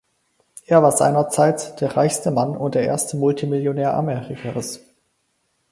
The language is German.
Er war seinerzeit der reichste Mann und der erste Multimillionär Amerikas.